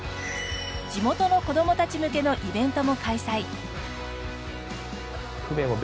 地元の子どもたち向けのイベントも開催。